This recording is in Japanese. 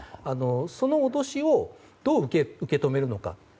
その脅しをどう受け止めるのか。